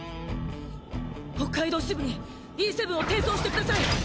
北海道支部にＥ７を転送してください。